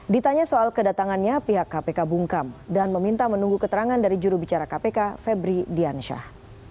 ditanya soal kedatangannya pihak kpk bungkam dan meminta menunggu keterangan dari jurubicara kpk febri diansyah